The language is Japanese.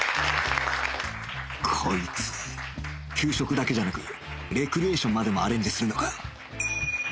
こいつ給食だけじゃなくレクリエーションまでもアレンジするのか